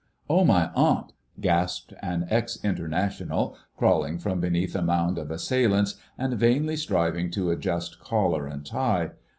"Oh, my aunt!" gasped an ex International, crawling from beneath a mound of assailants, and vainly striving to adjust collar and tie.